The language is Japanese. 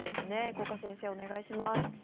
五箇先生、お願いします。